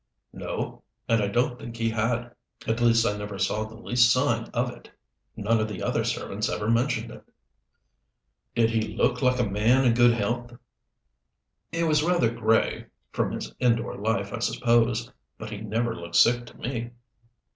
"No. And I don't think he had. At least I never saw the least sign of it. None of the other servants ever mentioned it." "Did he look like a man in good health?" "He was rather gray from his indoor life, I suppose. But he never looked sick to me."